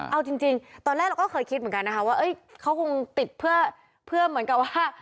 เอาจริงตอนแรกเราก็เคยคิดเหมือนกันนะคะว่าเขาคงติดเพื่อเหมือนกับว่า